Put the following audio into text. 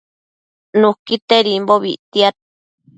Nuquitedimbobi ictiad